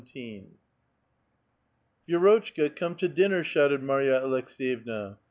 " VrfiROTCHKA, come to dinner!" shouted Marya Aleks^ vevna.